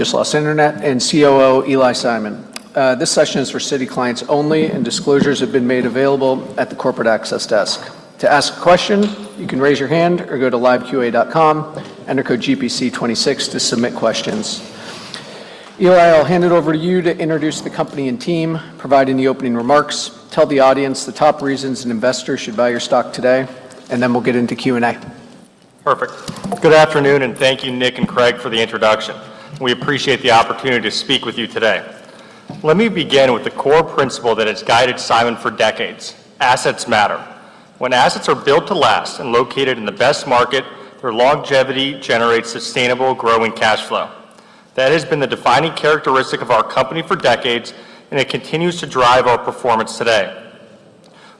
Just lost internet. COO Eli Simon. This session is for Citi clients only. Disclosures have been made available at the corporate access desk. To ask a question, you can raise your hand or go to LiveQA, enter code GPC26 to submit questions. Eli, I'll hand it over to you to introduce the company and team, providing the opening remarks. Tell the audience the top reasons an investor should buy your stock today. Then we'll get into Q&A. Perfect. Good afternoon, and thank you, Nick and Craig, for the introduction. We appreciate the opportunity to speak with you today. Let me begin with the core principle that has guided Simon for decades. Assets matter. When assets are built to last and located in the best market, their longevity generates sustainable growing cash flow. That has been the defining characteristic of our company for decades, and it continues to drive our performance today.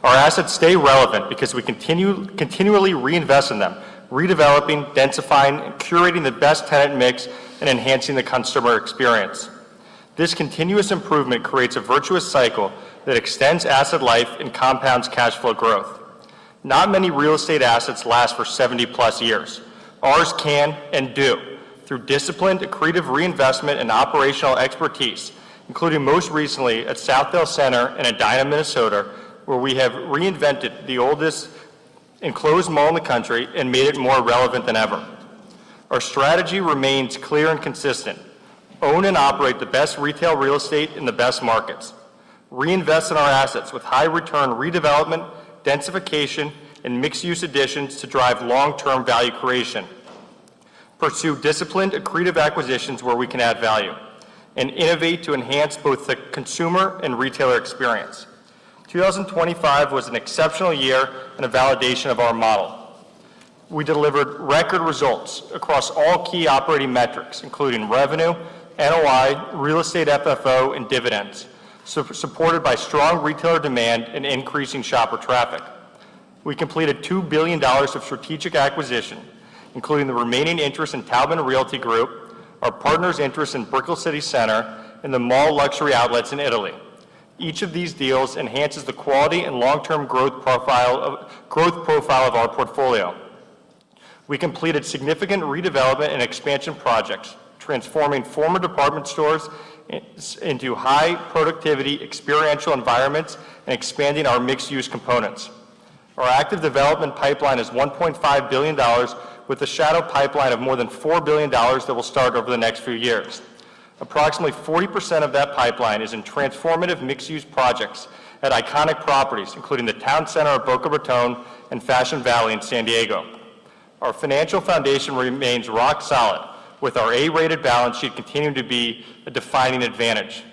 Our assets stay relevant because we continually reinvest in them, redeveloping, densifying, and curating the best tenant mix, and enhancing the customer experience. This continuous improvement creates a virtuous cycle that extends asset life and compounds cash flow growth. Not many real estate assets last for 70+ years. Ours can and do through disciplined, accretive reinvestment and operational expertise, including most recently at Southdale Center in Edina, Minnesota, where we have reinvented the oldest enclosed mall in the country and made it more relevant than ever. Our strategy remains clear and consistent. Own and operate the best retail real estate in the best markets. Reinvest in our assets with high return redevelopment, densification, and mixed use additions to drive long-term value creation. Pursue disciplined accretive acquisitions where we can add value, and innovate to enhance both the consumer and retailer experience. 2025 was an exceptional year and a validation of our model. We delivered record results across all key operating metrics, including revenue, NOI, real estate FFO, and dividends, supported by strong retailer demand and increasing shopper traffic. We completed $2 billion of strategic acquisition, including the remaining interest in Taubman Realty Group, our partner's interest in Brickell City Centre, and The Mall Luxury Outlets in Italy. Each of these deals enhances the quality and long-term growth profile of our portfolio. We completed significant redevelopment and expansion projects, transforming former department stores into high productivity experiential environments and expanding our mixed use components. Our active development pipeline is $1.5 billion with a shadow pipeline of more than $4 billion that will start over the next few years. Approximately 40% of that pipeline is in transformative mixed use projects at iconic properties, including the Town Center of Boca Raton and Fashion Valley in San Diego. Our financial foundation remains rock solid with our A-rated balance sheet continuing to be a defining advantage.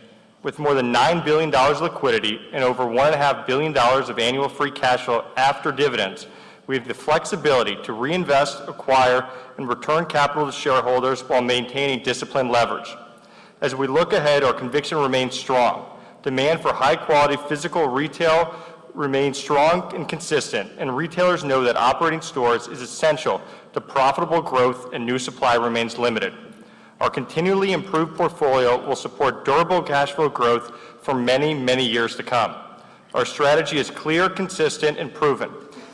With more than $9 billion liquidity and over $1.5 billion of annual free cash flow after dividends, we have the flexibility to reinvest, acquire, and return capital to shareholders while maintaining disciplined leverage. As we look ahead, our conviction remains strong. Demand for high-quality physical retail remains strong and consistent. Retailers know that operating stores is essential to profitable growth and new supply remains limited. Our continually improved portfolio will support durable cash flow growth for many, many years to come. Our strategy is clear, consistent, and proven.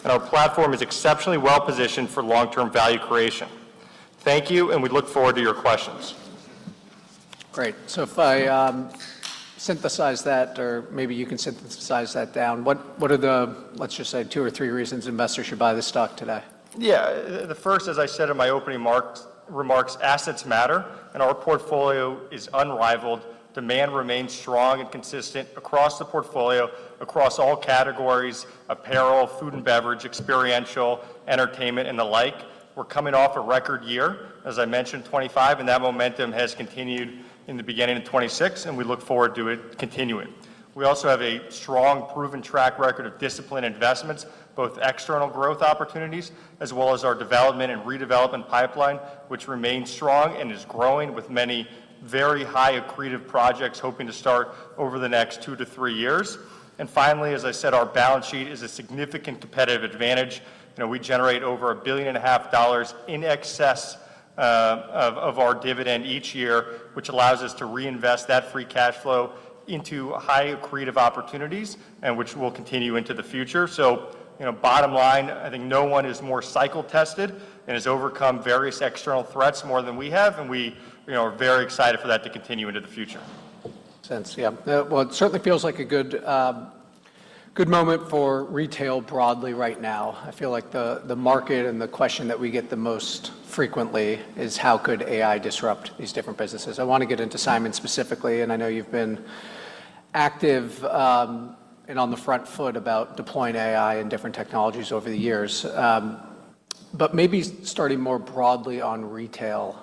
Our platform is exceptionally well-positioned for long-term value creation. Thank you. We look forward to your questions. Great. If I synthesize that, or maybe you can synthesize that down, what are the, let's just say two or three reasons investors should buy this stock today? Yeah. The first, as I said in my opening remarks, assets matter, and our portfolio is unrivaled. Demand remains strong and consistent across the portfolio, across all categories, apparel, food and beverage, experiential, entertainment, and the like. We're coming off a record year, as I mentioned, 2025, and that momentum has continued in the beginning of 2026, and we look forward to it continuing. We also have a strong proven track record of disciplined investments, both external growth opportunities, as well as our development and redevelopment pipeline, which remains strong and is growing with many very high accretive projects hoping to start over the next two to three years. Finally, as I said, our balance sheet is a significant competitive advantage. You know, we generate over $1.5 billion in excess of our dividend each year, which allows us to reinvest that free cash flow into high accretive opportunities and which will continue into the future. You know, bottom line, I think no one is more cycle-tested and has overcome various external threats more than we have, and we are very excited for that to continue into the future. Sense, yeah. It certainly feels like a good moment for retail broadly right now. I feel like the market and the question that we get the most frequently is how could AI disrupt these different businesses? I wanna get into Simon specifically, and I know you've been active, and on the front foot about deploying AI and different technologies over the years. Maybe starting more broadly on retail,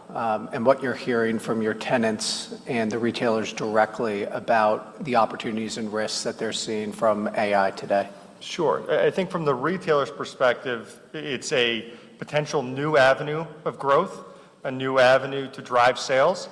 and what you're hearing from your tenants and the retailers directly about the opportunities and risks that they're seeing from AI today. Sure. I think from the retailer's perspective, it's a potential new avenue of growth, a new avenue to drive sales.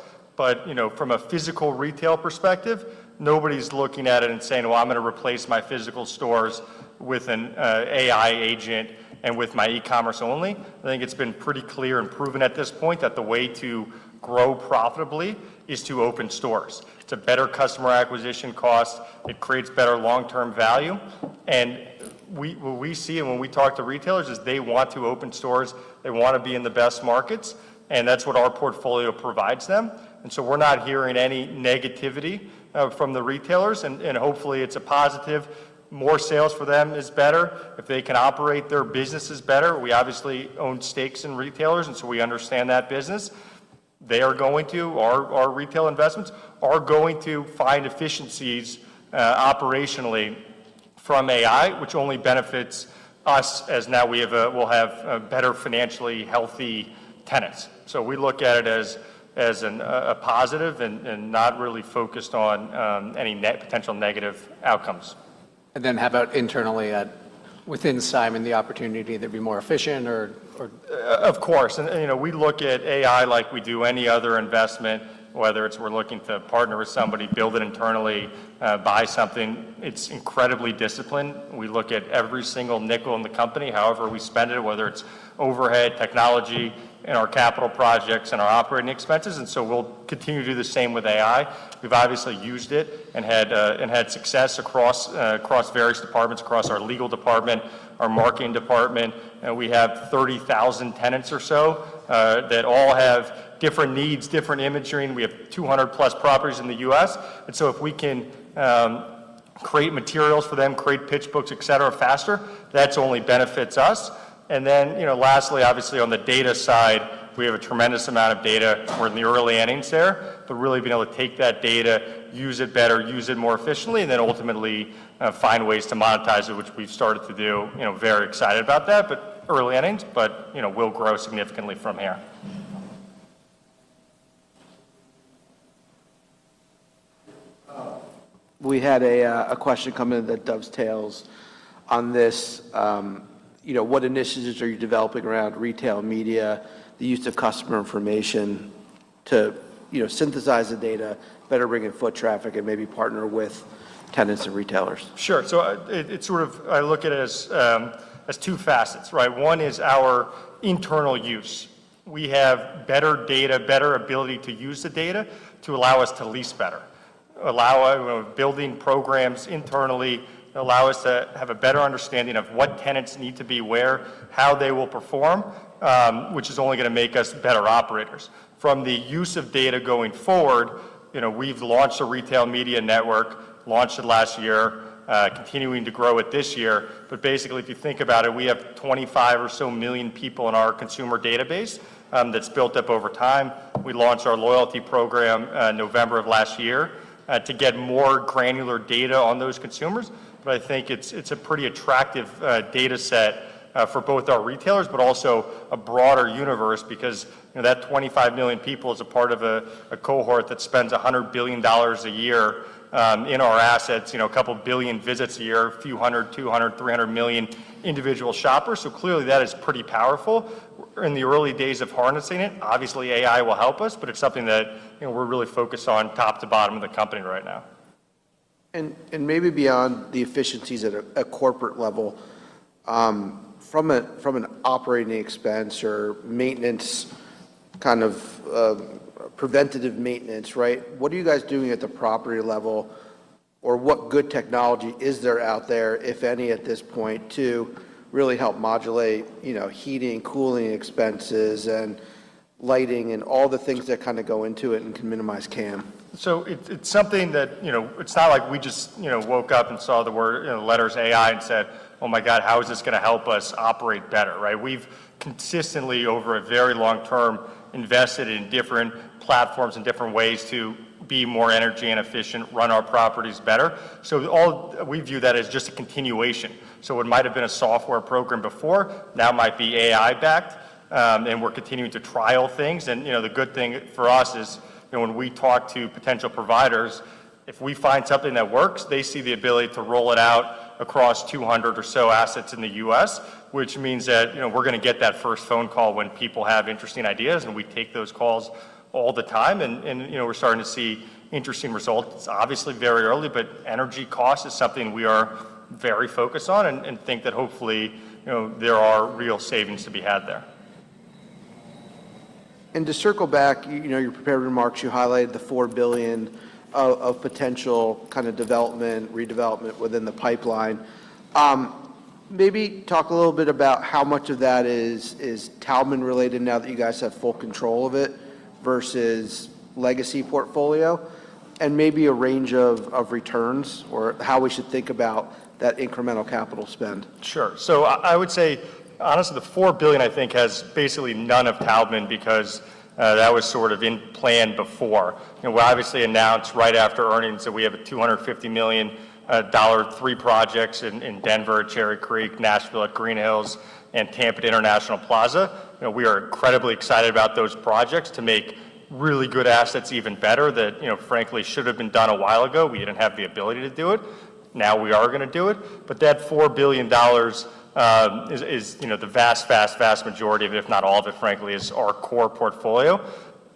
You know, from a physical retail perspective, nobody's looking at it and saying, "Well, I'm gonna replace my physical stores with an AI agent and with my e-commerce only." I think it's been pretty clear and proven at this point that the way to grow profitably is to open stores. It's a better customer acquisition cost. It creates better long-term value. What we see when we talk to retailers is they want to open stores. They wanna be in the best markets, and that's what our portfolio provides them. We're not hearing any negativity from the retailers and hopefully it's a positive. More sales for them is better. If they can operate their businesses better, we obviously own stakes in retailers. We understand that business. They are going to—our retail investments are going to find efficiencies operationally from AI, which only benefits us as now we'll have a better financially healthy tenants. We look at it as a positive and not really focused on any potential negative outcomes. How about internally within Simon, the opportunity to either be more efficient or?. Of course. You know, we look at AI like we do any other investment, whether it's we're looking to partner with somebody, build it internally, buy something. It's incredibly disciplined. We look at every single nickel in the company however we spend it, whether it's overhead, technology, in our capital projects, in our operating expenses. We'll continue to do the same with AI. We've obviously used it and had success across various departments, across our legal department, our marketing department. We have 30,000 tenants or so, that all have different needs, different imagery. We have 200+ properties in the U.S. If we can create materials for them, create pitch books, et cetera, faster, that's only benefits us. Then lastly, obviously on the data side, we have a tremendous amount of data. We're in the early innings there. Really being able to take that data, use it better, use it more efficiently, and then ultimately, find ways to monetize it, which we've started to be very excited about that, but early innings. You know, we'll grow significantly from here. We had a question come in that dovetails on this. You know, what initiatives are you developing around retail media, the use of customer information to, you know, synthesize the data, better bring in foot traffic, and maybe partner with tenants and retailers? Sure. I look at it as two facets, right? One is our internal use. We have better data, better ability to use the data to allow us to lease better, allow building programs internally, allow us to have a better understanding of what tenants need to be where, how they will perform, which is only gonna make us better operators. From the use of data going forward, we've launched a retail media network, launched it last year, continuing to grow it this year. Basically, if you think about it, we have 25 or so million people in our consumer database that's built up over time. We launched our loyalty program November of last year to get more granular data on those consumers. I think it's a pretty attractive data set for both our retailers, but also a broader universe because, you know, that 25 million people is a part of a cohort that spends $100 billion a year in our assets. You know, a couple billion visits a year, a few hundred, 200, 300 million individual shoppers, so clearly that is pretty powerful. In the early days of harnessing it, obviously AI will help us, but it's something that we're really focused on top to bottom of the company right now. Maybe beyond the efficiencies at corporate level, from an operating expense or maintenance, kind of, preventative maintenance, right? What are you guys doing at the property level? Or what good technology is there out there, if any, at this point, to really help modulate heating, cooling expenses, and lighting, and all the things that kinda go into it and can minimize CAM? It's something that—it's not like we just woke up and saw the letters AI and said, "Oh my God, how is this gonna help us operate better," right? We've consistently, over a very long term, invested in different platforms and different ways to be more energy and efficient, run our properties better. We view that as just a continuation. What might've been a software program before now might be AI-backed. We're continuing to trial things. You know, the good thing for us is, when we talk to potential providers, if we find something that works, they see the ability to roll it out across 200 or so assets in the U.S., which means that, we're gonna get that first phone call when people have interesting ideas, and we take those calls all the time. You know, we're starting to see interesting results. Obviously very early, but energy cost is something we are very focused on and think that hopefully, there are real savings to be had there. To circle back, your prepared remarks, you highlighted the $4 billion of potential kind of development, redevelopment within the pipeline. Maybe talk a little bit about how much of that is Taubman-related now that you guys have full control of it versus legacy portfolio, and maybe a range of returns or how we should think about that incremental capital spend. Sure. I would say honestly, the $4 billion I think has basically none of Taubman because that was sort of in plan before. You know, we obviously announced right after earnings that we have a $250 million, three projects in Denver at Cherry Creek, Nashville at Green Hills, and Tampa at International Plaza. You know, we are incredibly excited about those projects to make really good assets even better that, frankly should've been done a while ago. We didn't have the ability to do it. Now we are gonna do it. That $4 billion is the vast, vast majority of it, if not all of it, frankly, is our core portfolio.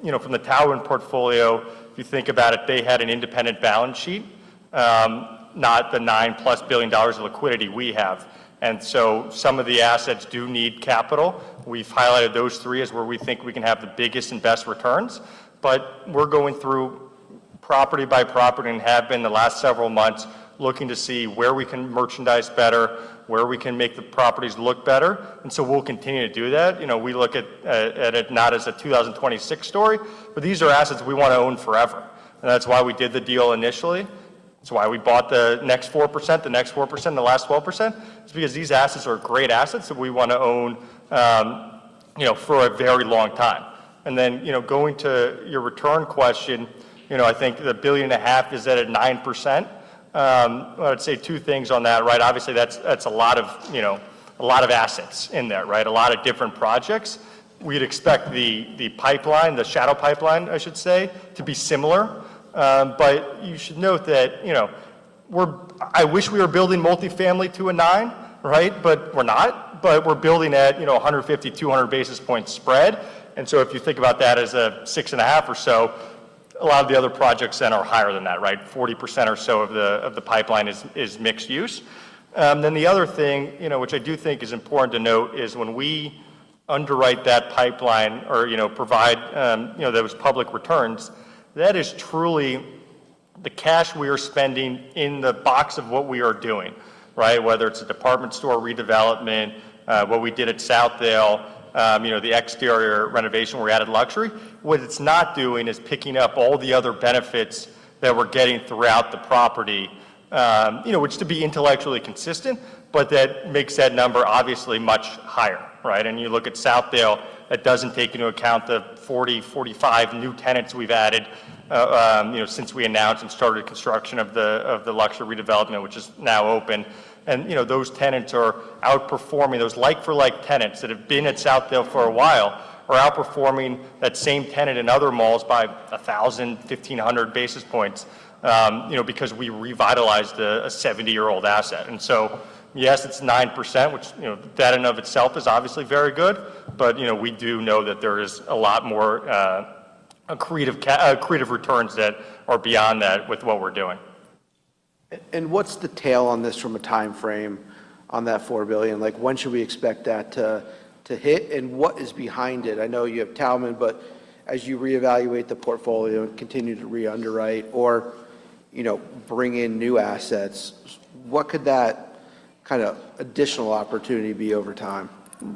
You know, from the Taubman portfolio, if you think about it, they had an independent balance sheet, not the $9+ billion of liquidity we have. Some of the assets do need capital. We've highlighted those three as where we think we can have the biggest and best returns. We're going through property by property and have been the last several months looking to see where we can merchandise better, where we can make the properties look better, we'll continue to do that. You know, we look at it not as a 2026 story, these are assets we wanna own forever. That's why we did the deal initially. That's why we bought the next 4%, the next 4%, the last 4%. It's because these assets are great assets that we want to own for a very long time. You know, going to your return question, I think the billion and a half is at a 9%. I would say two things on that, right? Obviously, that's a lot of assets in there, right? A lot of different projects. We'd expect the pipeline, the shadow pipeline, I should say, to be similar. You should note that, I wish we were building multifamily to a nine, right? We're not. We're building at, you know, 150–200 basis points spread. If you think about that as a 6.5% or so, a lot of the other projects then are higher than that, right? 40% or so of the pipeline is mixed use. The other thing, which I do think is important to note is when we underwrite that pipeline or provide those public returns, that is truly the cash we are spending in the box of what we are doing, right? Whether it's a department store redevelopment, what we did at Southdale, the exterior renovation where we added luxury. What it's not doing is picking up all the other benefits that we're getting throughout the property, which to be intellectually consistent, but that makes that number obviously much higher, right? You look at Southdale, that doesn't take into account the 40–45 new tenants we've added since we announced and started construction of the luxury redevelopment, which is now open. You know, those tenants are outperforming those like-for-like tenants that have been at Southdale for a while are outperforming that same tenant in other malls by 1,000–1,500 basis points because we revitalized a 70-year-old asset. Yes, it's 9%, which, that in and of itself is obviously very good. You know, we do know that there is a lot more accretive returns that are beyond that with what we're doing. What's the tail on this from a timeframe on that $4 billion? Like, when should we expect that to hit? What is behind it? I know you have Taubman, but as you reevaluate the portfolio and continue to re-underwrite or bring in new assets, what could that kind of additional opportunity be over time?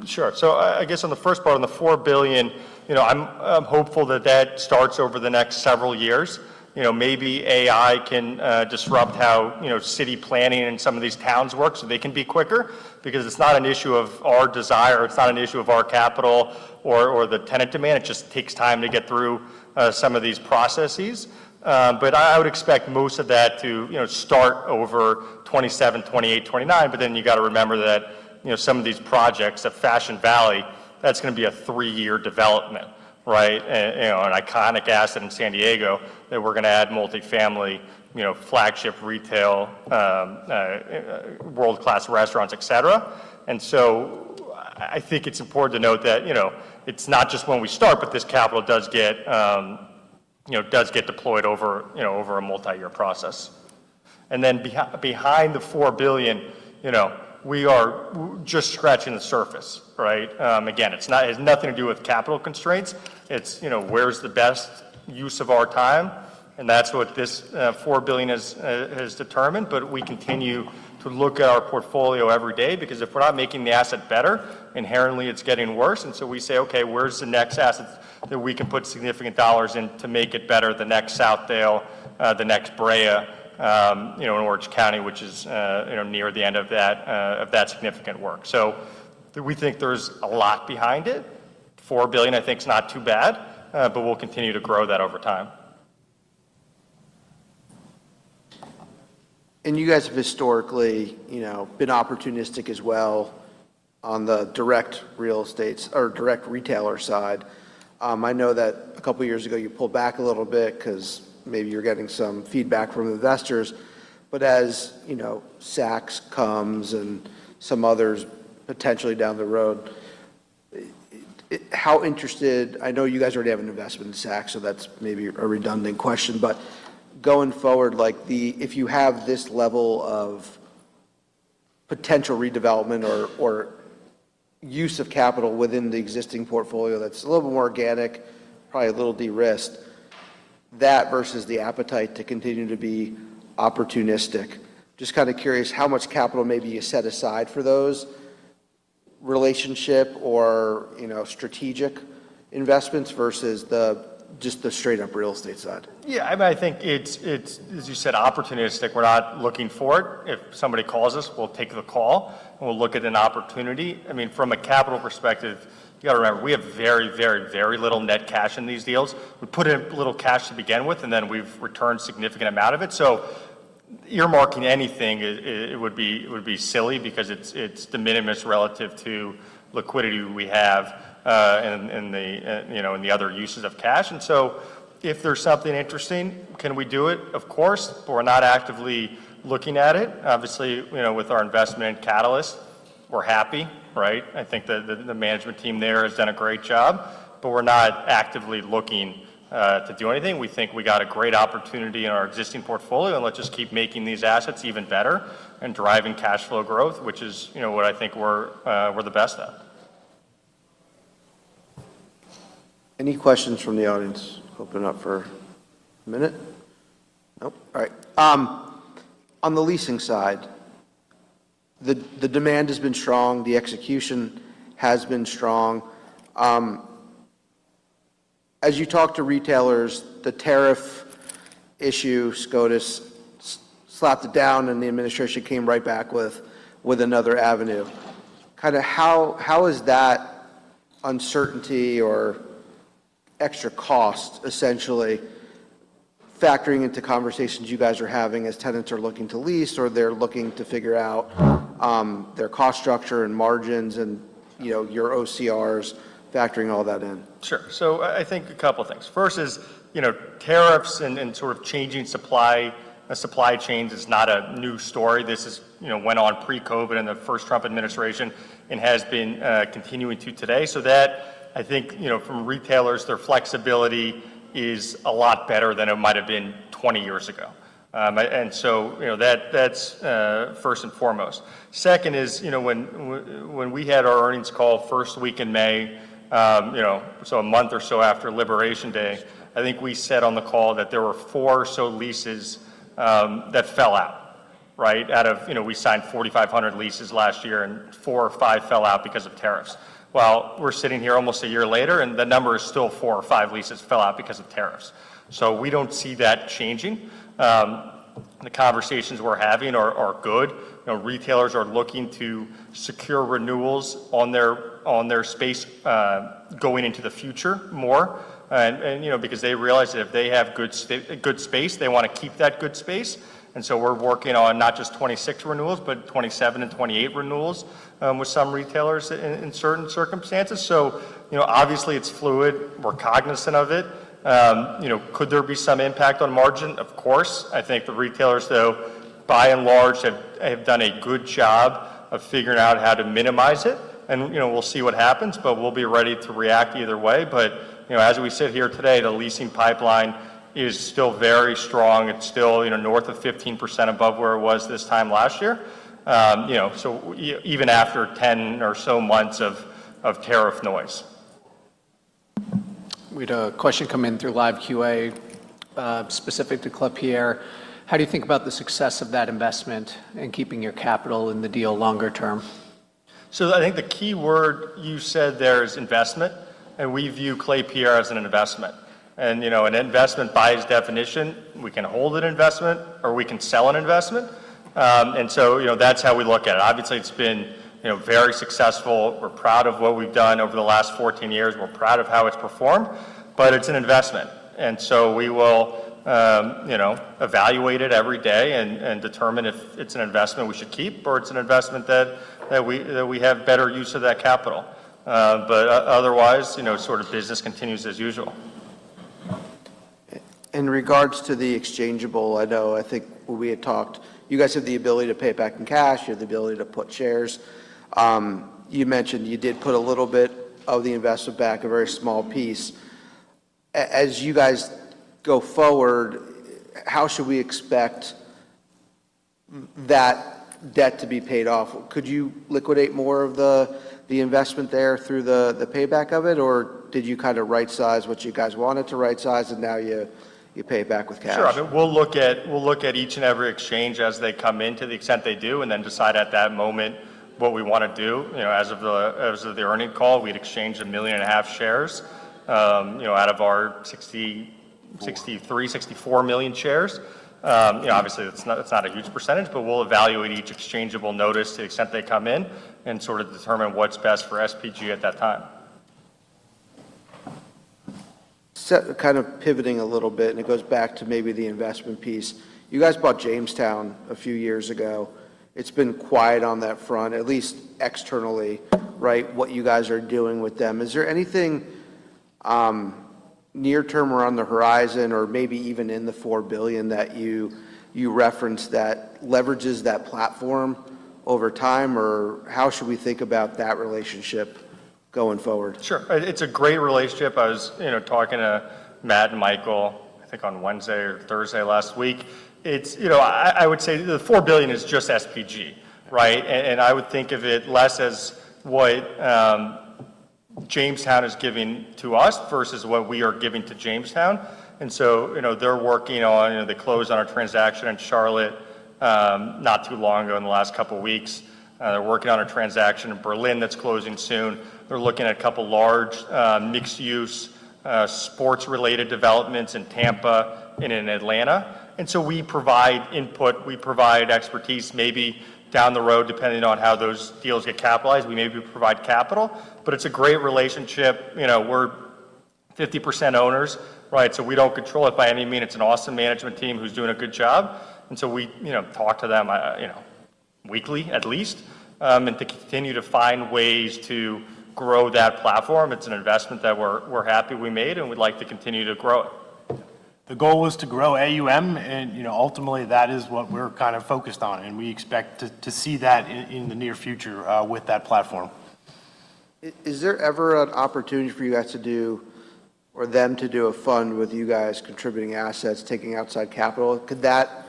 Sure. I guess on the first part, on the $4 billion, I'm hopeful that that starts over the next several years. You know, maybe AI can disrupt how city planning in some of these towns work, so they can be quicker. Because it's not an issue of our desire, it's not an issue of our capital or the tenant demand. It just takes time to get through some of these processes. I would expect most of that to start over 2027, 2028, 2029. You gotta remember that some of these projects at Fashion Valley, that's gonna be a three-year development, right? You know, an iconic asset in San Diego that we're gonna add multifamily, flagship retail, world-class restaurants, et cetera. I think it's important to note that it's not just when we start, but this capital does get deployed over a multi-year process. Behind the $4 billion, we are just scratching the surface, right? Again, it has nothing to do with capital constraints. It's, where's the best use of our time, and that's what this $4 billion has determined. We continue to look at our portfolio every day because if we're not making the asset better, inherently it's getting worse. We say, "Okay, where's the next asset that we can put significant dollars in to make it better? The next Southdale, the next Brea, you know, in Orange County, which is,p near the end of that significant work. We think there's a lot behind it. $4 billion I think is not too bad, but we'll continue to grow that over time. You guys have historically, you know, been opportunistic as well on the direct real estates or direct retailer side. I know that a couple years ago you pulled back a little bit 'cause maybe you were getting some feedback from investors. As Saks comes and some others potentially down the road, how interested—I know you guys already have an investment in Saks, so that's maybe a redundant question. Going forward, if you have this level of potential redevelopment or use of capital within the existing portfolio that's a little more organic, probably a little de-risked, that versus the appetite to continue to be opportunistic. Just kinda curious how much capital maybe you set aside for those relationship or strategic investments versus the just the straight up real estate side? Yeah, I mean, I think it's, as you said, opportunistic. We're not looking for it. If somebody calls us, we'll take the call, and we'll look at an opportunity. I mean, from a capital perspective, you gotta remember, we have very, very, very little net cash in these deals. We put in little cash to begin with, and then we've returned significant amount of it. Earmarking anything it would be silly because it's de minimis relative to liquidity we have in the other uses of cash. If there's something interesting, can we do it? Of course, but we're not actively looking at it. Obviously, with our investment in Catalyst, we're happy, right? I think the management team there has done a great job. We're not actively looking to do anything. We think we got a great opportunity in our existing portfolio. Let's just keep making these assets even better and driving cash flow growth, which is, what I think we're the best at. Any questions from the audience? Open up for a minute. Nope. All right. On the leasing side, the demand has been strong, the execution has been strong. As you talk to retailers, the tariff issue, SCOTUS slapped it down, the administration came right back with another avenue. Kind of how is that uncertainty or extra cost essentially factoring into conversations you guys are having as tenants are looking to lease or they're looking to figure out their cost structure and margins and your OCRs factoring all that in? Sure. I think a couple things. First is, tariffs and sort of changing supply chains is not a new story. This went on pre-COVID in the first Trump administration and has been continuing to today. That I think, from retailers, their flexibility is a lot better than it might have been 20 years ago. And that's first and foremost. Second is, when we had our earnings call first week in May, a month or so after Liberation Day, I think we said on the call that there were four or so leases that fell out, right? Out of we signed 4,500 leases last year, and four or five fell out because of tariffs. We're sitting here almost a year later. The number is still four or five leases fell out because of tariffs. We don't see that changing. The conversations we're having are good. You know, retailers are looking to secure renewals on their space going into the future more. You know, because they realize that if they have good space, they wanna keep that good space. We're working on not just 2026 renewals, but 2027 and 2028 renewals with some retailers in certain circumstances. You know, obviously it's fluid. We're cognizant of it. You know, could there be some impact on margin? Of course. I think the retailers, though, by and large, have done a good job of figuring out how to minimize it. You know, we'll see what happens, but we'll be ready to react either way. You know, as we sit here today, the leasing pipeline is still very strong. It's still north of 15% above where it was this time last year. You know, even after 10 or so months of tariff noise. We had a question come in through LiveQA, specific to Klépierre. How do you think about the success of that investment and keeping your capital in the deal longer term? I think the key word you said there is investment. We view Klépierre as an investment. You know, an investment by its definition, we can hold an investment or we can sell an investment. You know, that's how we look at it. Obviously, it's been very successful. We're proud of what we've done over the last 14 years. We're proud of how it's performed, but it's an investment. We will evaluate it every day and determine if it's an investment we should keep or it's an investment that we have better use of that capital. Otherwise, business continues as usual. In regards to the exchangeable, I know, I think we had talked—you guys have the ability to pay it back in cash, you have the ability to put shares. You mentioned you did put a little bit of the investment back, a very small piece. As you guys go forward, how should we expect that debt to be paid off? Could you liquidate more of the investment there through the payback of it? Or did you kind of right-size what you guys wanted to right-size, and now you pay it back with cash? Sure. I mean, we'll look at each and every exchange as they come in to the extent they do, and then decide at that moment what we wanna do. You know, as of the earnings call, we'd exchanged 1.5 million shares, out of our 63–64 million shares. You know, obviously that's not a huge percentage, but we'll evaluate each exchangeable notice to the extent they come in and sort of determine what's best for SPG at that time. Kind of pivoting a little bit, and it goes back to maybe the investment piece. You guys bought Jamestown a few years ago. It's been quiet on that front, at least externally, right, what you guys are doing with them? Is there anything near term or on the horizon or maybe even in the $4 billion that you referenced that leverages that platform over time? How should we think about that relationship going forward? Sure. It's a great relationship. I was talking to Matt and Michael, I think, on Wednesday or Thursday last week. I would say the $4 billion is just SPG, right? I would think of it less as what Jamestown is giving to us versus what we are giving to Jamestown. You know, they're working on—they closed on our transaction in Charlotte, not too long ago in the last couple weeks. They're working on a transaction in Berlin that's closing soon. They're looking at a couple large, mixed-use, sports-related developments in Tampa and in Atlanta. We provide input, we provide expertise maybe down the road, depending on how those deals get capitalized. We maybe provide capital. It's a great relationship. You know, we're 50% owners, right? We don't control it by any means. It's an awesome management team who's doing a good job. We talk to them weekly at least, and to continue to find ways to grow that platform. It's an investment that we're happy we made and we'd like to continue to grow it. The goal was to grow AUM, and, you know, ultimately that is what we're kind of focused on, and we expect to see that in the near future, with that platform. Is there ever an opportunity for you guys to do or them to do a fund with you guys contributing assets, taking outside capital? Could that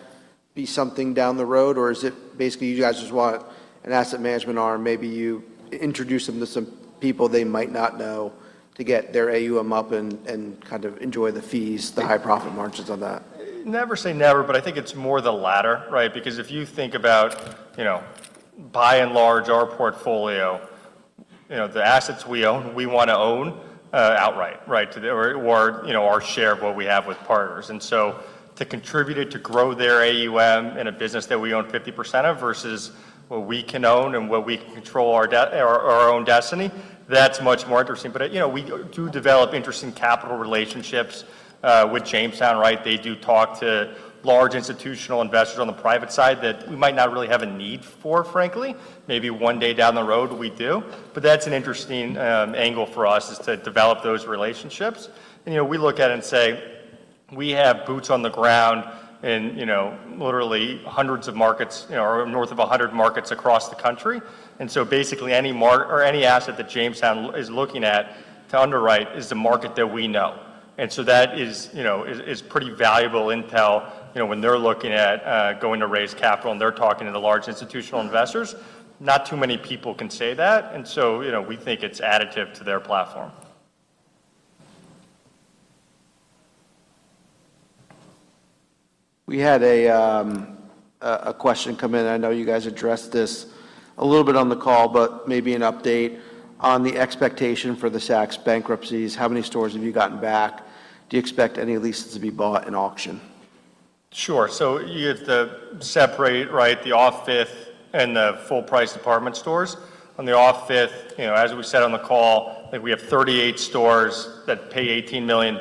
be something down the road, or is it basically you guys just want an asset management arm? Maybe you introduce them to some people they might not know to get their AUM up and kind of enjoy the fees, the high profit margins on that. Never say never, but I think it's more the latter, right? Because if you think about, by and large, our portfolio, the assets we want to own outright, right? Or our share of what we have with partners. To contribute it to grow their AUM in a business that we own 50% of versus what we can own and what we can control our own destiny, that's much more interesting. You know, we do develop interesting capital relationships with Jamestown, right? They do talk to large institutional investors on the private side that we might not really have a need for, frankly. Maybe one day down the road we do. That's an interesting angle for us is to develop those relationships. You know, we look at it and say we have boots on the ground in literally hundreds of markets or north of 100 markets across the country. Basically any asset that Jamestown is looking at to underwrite is the market that we know. That is pretty valuable intel, when they're looking at going to raise capital, and they're talking to the large institutional investors. Not too many people can say that. You know, we think it's additive to their platform. We had a question come in. I know you guys addressed this a little bit on the call. Maybe an update on the expectation for the Saks bankruptcies. How many stores have you gotten back? Do you expect any leases to be bought in auction? Sure. You have to separate, right, the Saks OFF 5TH and the full-price department stores. On the Saks OFF 5TH, as we said on the call, I think we have 38 stores that pay $18 million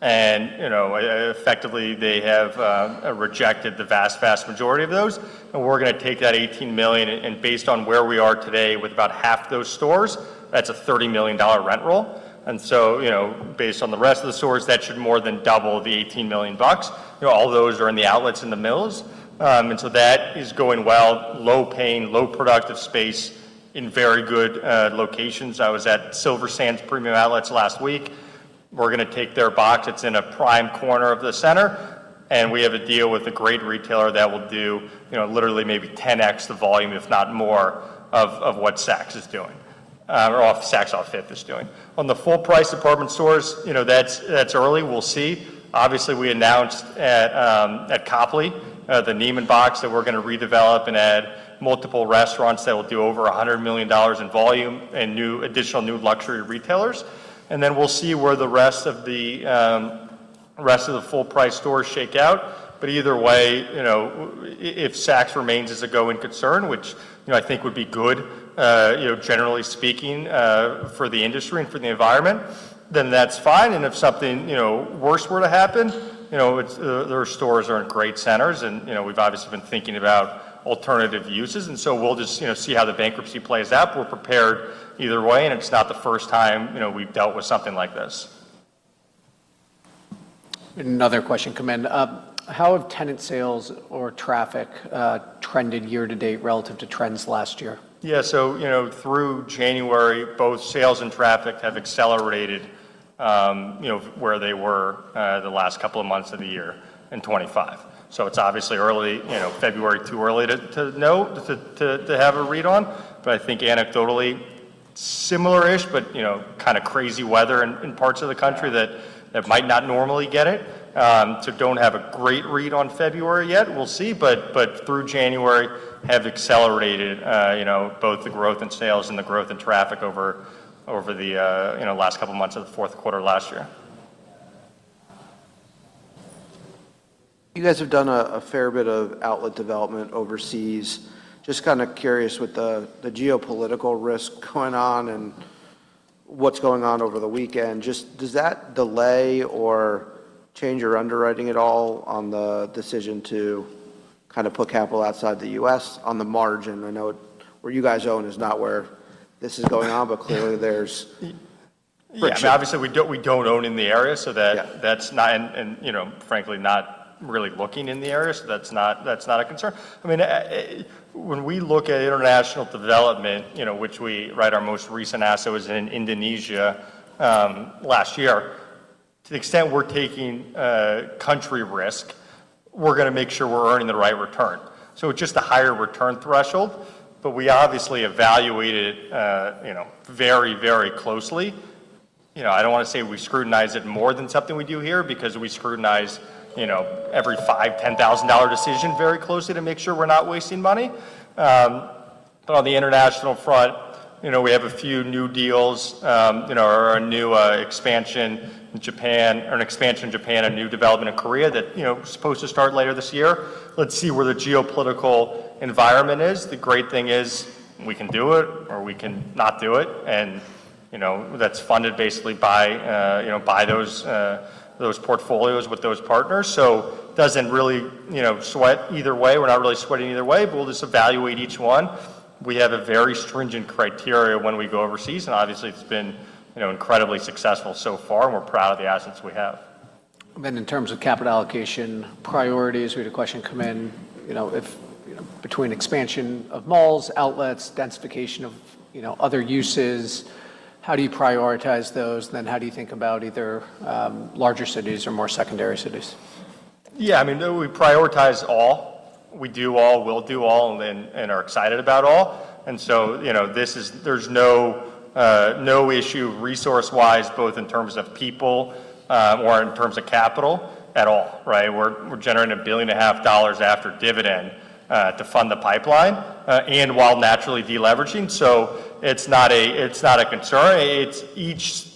and effectively they have rejected the vast majority of those, and we're gonna take that $18 million and based on where we are today with about half those stores, that's a $30 million rent roll. You know, based on the rest of the stores, that should more than double the $18 million. You know, all those are in the outlets in the mills. That is going well. Low-paying, low productive space in very good locations. I was at Silver Sands Premium Outlets last week. We're gonna take their box. It's in a prime corner of the center. We have a deal with a great retailer that will do literally maybe 10x the volume, if not more, of what Saks is doing, or Saks OFF 5TH is doing. On the full-price department stores, that's early. We'll see. Obviously, we announced at Copley, the Neiman box that we're gonna redevelop and add multiple restaurants that will do over $100 million in volume and additional new luxury retailers. We'll see where the rest of the full-price stores shake out. Either way, if Saks remains as a going concern, which, you know, I think would be good, generally speaking, for the industry and for the environment, then that's fine. If something worse were to happen, their stores are in great centers and we've obviously been thinking about alternative uses, we'll just see how the bankruptcy plays out. We're prepared either way. It's not the first time we've dealt with something like this. Another question come in. How have tenant sales or traffic trended year to date relative to trends last year? Through January, both sales and traffic have accelerated where they were the last couple of months of the year in 2025. It's obviously early. February, too early to know, to have a read on. I think anecdotally similar-ish, but, kind of crazy weather in parts of the country that might not normally get it. Don't have a great read on February yet. We'll see. Through January have accelerated, both the growth in sales and the growth in traffic over the last couple months of the fourth quarter last year. You guys have done a fair bit of outlet development overseas. Just kinda curious with the geopolitical risk going on and what's going on over the weekend, just does that delay or change your underwriting at all on the decision to kind of put capital outside the U.S. on the margin? I know where you guys own is not where this is going on, but clearly there's friction. Yeah. I mean, obviously we don't own in the area so frankly not really looking in the area, so that's not a concern. I mean, when we look at international development, which we right? Our most recent asset was in Indonesia last year. To the extent we're taking country risk, we're gonna make sure we're earning the right return. It's just a higher return threshold, but we obviously evaluate it very, very closely. You know, I don't wanna say we scrutinize it more than something we do here because we scrutinize every $5,000, $10,000 decision very closely to make sure we're not wasting money. On the international front, we have a few new deals, an expansion in Japan, a new development in Korea that is supposed to start later this year. Let's see where the geopolitical environment is. The great thing is we can do it or we can not do it, and that's funded basically by those portfolios with those partners. Doesn't really sweat either way. We're not really sweating either way, we'll just evaluate each one. We have a very stringent criteria when we go overseas, and obviously it's been incredibly successful so far, and we're proud of the assets we have. Then in terms of capital allocation priorities, we had a question come in, between expansion of malls, outlets, densification of, you know, other uses, how do you prioritize those? How do you think about either larger cities or more secondary cities? Yeah. I mean, we prioritize all. We do all, we'll do all, and are excited about all. you know, there's no issue resource-wise, both in terms of people or in terms of capital at all, right? We're generating $1.5 billion after dividend to fund the pipeline and while naturally de-leveraging. It's not a, it's not a concern. It's each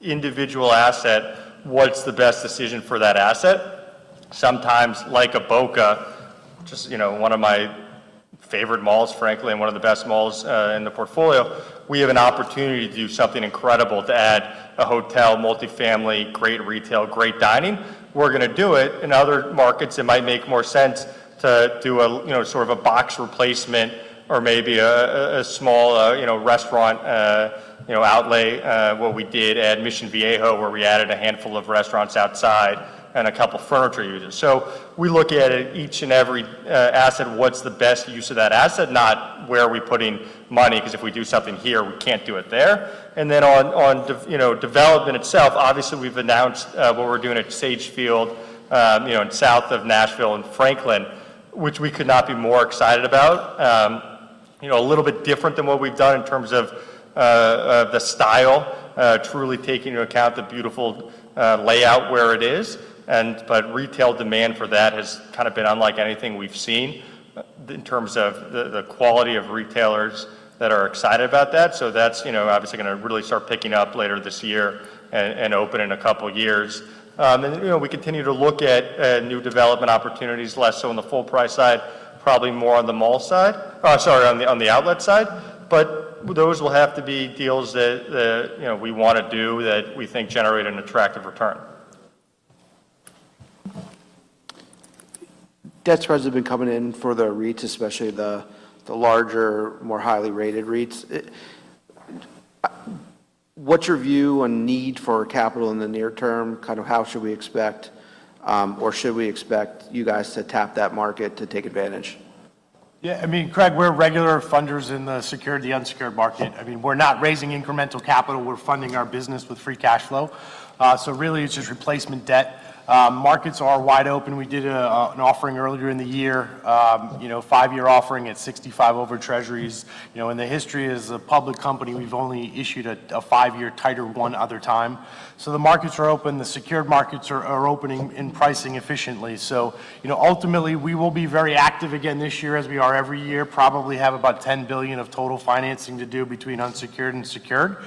individual asset, what's the best decision for that asset. Sometimes, like a Boca, just, you know, one of my favorite malls, frankly, and one of the best malls in the portfolio, we have an opportunity to do something incredible to add a hotel, multi-family, great retail, great dining. We're gonna do it. In other markets, it might make more sense to do a, you know, sort of a box replacement or maybe a small, you know, restaurant, you know, outlay, what we did at Mission Viejo, where we added a handful of restaurants outside and a couple furniture units. we look at each and every asset, what's the best use of that asset, not where are we putting money, because if we do something here, we can't do it there. on, you know, development itself, obviously we've announced what we're doing at Sagefield, you know, in south of Nashville and Franklin, which we could not be more excited about. you know, a little bit different than what we've done in terms of the style, truly taking into account the beautiful layout where it is, and but retail demand for that has kind of been unlike anything we've seen in terms of the quality of retailers that are excited about that. That's, you know, obviously gonna really start picking up later this year and open in two years. you know, we continue to look at new development opportunities less so on the full price side, probably more on the mall side, sorry, on the outlet side, but those will have to be deals that, you know, we wanna do that we think generate an attractive return. Debt spreads have been coming in for the REITs, especially the larger, more highly rated REITs. What's your view on need for capital in the near term? Kind of how should we expect, or should we expect you guys to tap that market to take advantage? Yeah, I mean, Craig, we're regular funders in the secured-the-unsecured market. I mean, we're not raising incremental capital. We're funding our business with free cash flow. Really it's just replacement debt. Markets are wide open. We did an offering earlier in the year, you know, five-year offering at 65 over Treasuries. You know, in the history as a public company, we've only issued a five-year tighter one other time. The markets are open. The secured markets are opening and pricing efficiently. You know, ultimately, we will be very active again this year, as we are every year, probably have about $10 billion of total financing to do between unsecured and secured. You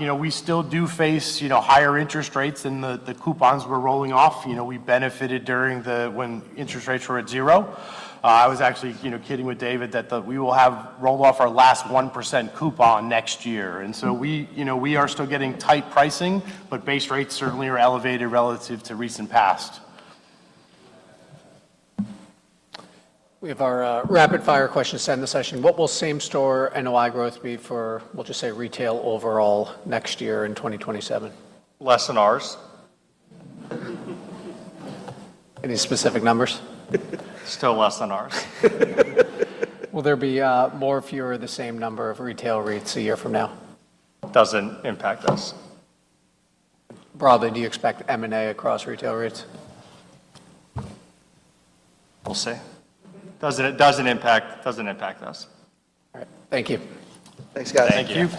know, we still do face, you know, higher interest rates than the coupons we're rolling off. You know, we benefited during when interest rates were at zero. I was actually, you know, kidding with David that we will have rolled off our last 1% coupon next year. We, you know, we are still getting tight pricing, but base rates certainly are elevated relative to recent past. We have our rapid fire questions to end the session. What will same-store NOI growth be for, we'll just say, retail overall next year in 2027? Less than ours. Any specific numbers? Still less than ours. Will there be more, fewer, the same number of retail REITs a year from now? Doesn't impact us. Broadly, do you expect M&A across retail REITs? We'll see. Doesn't impact, doesn't impact us. All right. Thank you. Thanks, guys. Thank you.